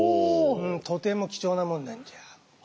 とても貴重なものなんじゃ。